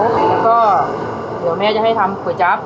แล้วก็เดี๋ยวแม่จะให้ทำก๋วยจั๊บ